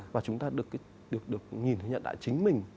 và chúng ta được nhìn thấy nhận đại chính mình